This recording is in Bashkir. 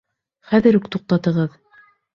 Хәҙер үк туҡтағыҙ!